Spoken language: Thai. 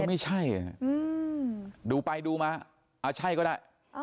ไม่ใช่ดูไปดูมาใช่ก็ได้